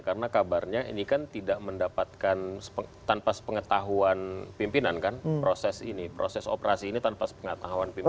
karena kabarnya ini kan tidak mendapatkan tanpa sepengetahuan pimpinan kan proses ini proses operasi ini tanpa sepengetahuan pimpinan